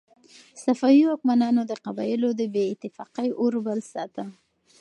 صفوي واکمنانو د قبایلو د بې اتفاقۍ اور بل ساته.